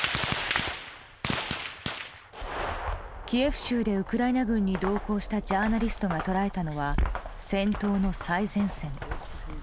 キエフ州でウクライナ軍に同行したジャーナリストが捉えたのは戦闘の最前線。